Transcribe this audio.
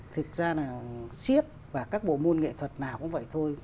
thực ra là siết và các bộ môn nghệ thuật nào cũng vậy thôi